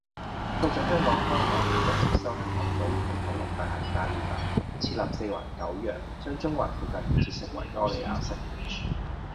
到咗香港開埠，英國接收香港島以及九龍界限街以南，設立四環九約，將中環附近建設成維多利亞城